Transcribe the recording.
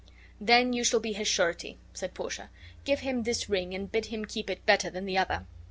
"Then you shall be his surety," said Portia. "Give him this ring and bid him keep it better than the other."